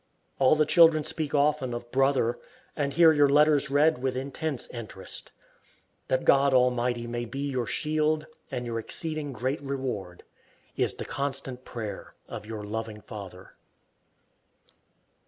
All the children speak often of "brother," and hear your letters read with intense interest. That God Almighty may be your shield and your exceeding great reward, is the constant prayer of your loving father.